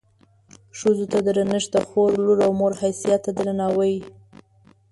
ښځو ته درنښت د خور، لور او مور حیثیت ته درناوی.